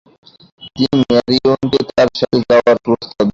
তিনি ম্যারিয়নকে তার সাথে যাওয়ার প্রস্তাব দেন।